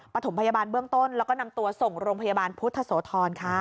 ถมพยาบาลเบื้องต้นแล้วก็นำตัวส่งโรงพยาบาลพุทธโสธรค่ะ